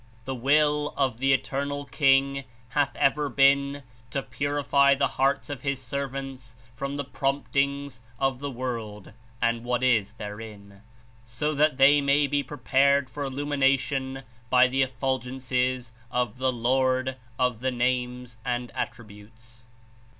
The will of the Eternal King hath ever been to purify the hearts of (His) servants from the promptings of the world and what is therein, so that they may be pre pared for illumination by the effulgences of the Lord of the Names and Attributes.